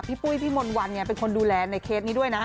ปุ้ยพี่มนต์วันเป็นคนดูแลในเคสนี้ด้วยนะ